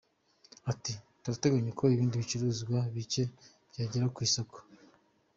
Ati“Turateganya ko ibindi bicuruzwa bicye byagera ku isoko.